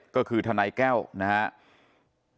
ก็คือธันายแก้วนะฮะ